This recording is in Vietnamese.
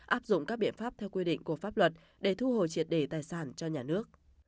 áp dụng các biện pháp theo quy định của pháp luật để thu hồi triệt đề tài sản cho nhà nước